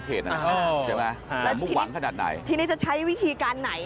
หลังมุกหวังขนาดไหนครับค่ะแล้วทีนี้จะใช้วิธีการไหน